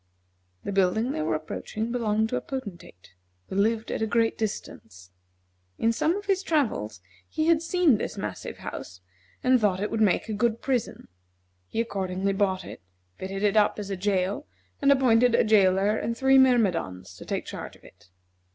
The building they were approaching belonged to a Potentate, who lived at a great distance. In some of his travels he had seen this massive house, and thought it would make a good prison. He accordingly bought it, fitted it up as a jail, and appointed a jailer and three myrmidons to take charge of it.